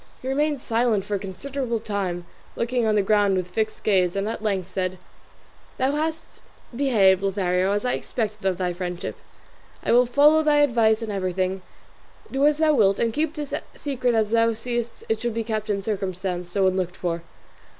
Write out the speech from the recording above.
He remained silent for a considerable time, looking on the ground with fixed gaze, and at length said, "Thou hast behaved, Lothario, as I expected of thy friendship: I will follow thy advice in everything; do as thou wilt, and keep this secret as thou seest it should be kept in circumstances so unlooked for."